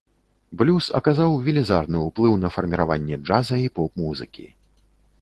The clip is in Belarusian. Блюз аказаў велізарны ўплыў на фарміраванне джаза і поп-музыкі.